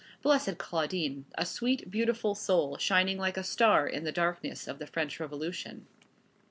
Blessed Claudine! A sweet, beautiful soul, shining like a star in the darkness of the French Revolution.